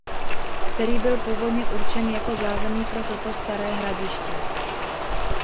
Který byl původně určen jako zázemí pro toto staré hradiště.